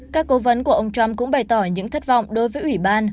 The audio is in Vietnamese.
các cố vấn của ông trump cũng bày tỏ những thất vọng đối với ủy ban